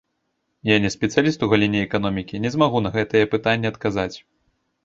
Я не спецыяліст у галіне эканомікі, не змагу на гэтае пытанне адказаць.